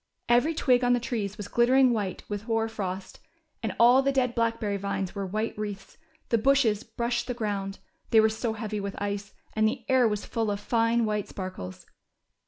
Every twig on the trees was glittering white with hoar frost, and all the dead blackberry vines wore white wreaths, the bushes brushed the ground, they were so heavy with ice, and the air was full of fine white sparkles.